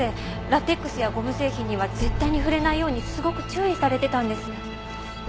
ラテックスやゴム製品には絶対に触れないようにすごく注意されてたんです。